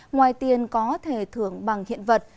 ngoài tiền có thể thưởng bằng hiện vật